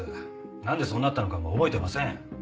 なんでそうなったのかも覚えてません。